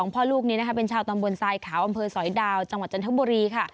พ่อลูกนี้เป็นชาวตำบลทรายขาวอำเภอสอยดาวจังหวัดจันทบุรีค่ะ